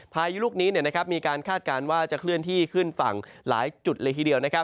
พายุลูกนี้มีการคาดการณ์ว่าจะเคลื่อนที่ขึ้นฝั่งหลายจุดเลยทีเดียว